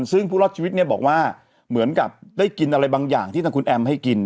ซึ่งผู้รอดชีวิตบอกว่าเหมือนกับได้กินอะไรบางอย่างที่ทางคุณแอมให้กิน